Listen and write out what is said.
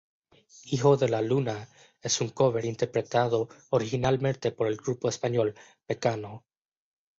Hijo de la Luna es un cover interpretado originalmente por el grupo español Mecano.